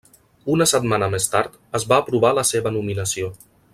Una setmana més tard, es va aprovar la seva nominació.